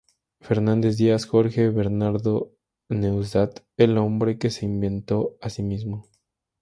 Fernández Díaz, Jorge: "Bernardo Neustadt: El hombre que se inventó a sí mismo".